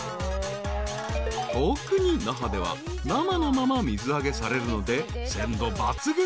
［特に那覇では生のまま水揚げされるので鮮度抜群］